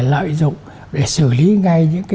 lợi dụng để xử lý ngay những cái